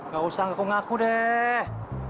gak usah ngaku ngaku deh